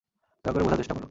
দয়াকরে বোঝার চেষ্টা করো।